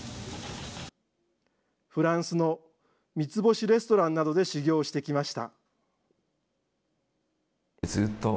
フランスの３つ星レストランなどで修業してきました。